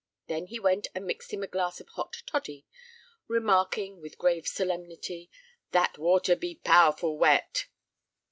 Then he went and mixed him a glass of hot toddy, remarking, with grave solemnity: "That water be powerful wet!"